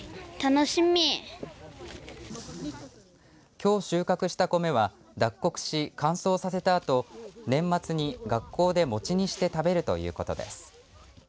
きょう収穫したコメは脱穀し乾燥させたあと年末に学校でモチにして食べるということです。